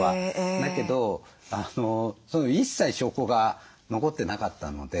だけど一切証拠が残ってなかったので。